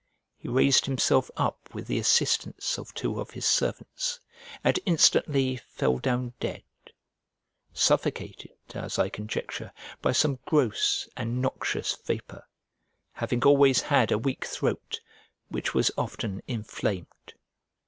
He raised himself up with the assistance of two of his servants, and instantly fell down dead; suffocated, as I conjecture, by some gross and noxious vapour, having always had a weak throat, which was often inflamed.